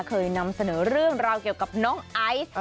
เคยนำเสนอเรื่องราวเกี่ยวกับน้องไอซ์